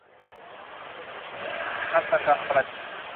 ทันตกรรมประดิษฐ์